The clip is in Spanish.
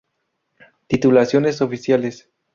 Titulaciones oficiales